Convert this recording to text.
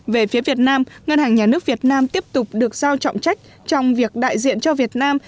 về phía việt nam ngân hàng nhà nước việt nam tiếp tục được giao trọng trách trong việc đại diện cho việt nam